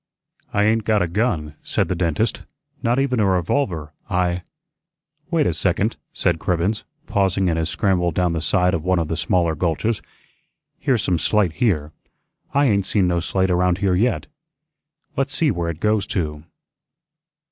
"I ain't got a gun," said the dentist; "not even a revolver. I " "Wait a second," said Cribbens, pausing in his scramble down the side of one of the smaller gulches. "Here's some slate here; I ain't seen no slate around here yet. Let's see where it goes to."